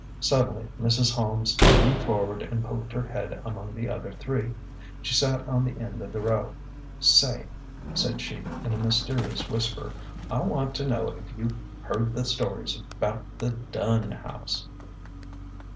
Suddenly Mrs. Holmes leaned forward and poked her head among the other three. She sat on the end of the row. Say," said she, in a mysterious whisper, " I want to know if you've heard the stories 'bout the Dunn house